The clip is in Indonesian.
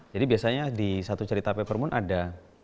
jadi biasanya di satu cerita peppermoon ada